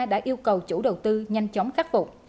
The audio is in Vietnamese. đã yêu cầu chủ đầu tư nhanh chóng khắc phục